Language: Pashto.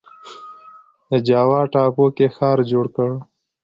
په جاوا ټاپو کې ښار جوړ کړ.